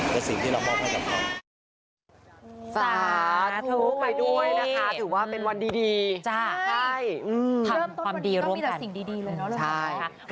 แต่สิ่งที่เรามอบให้กับเขา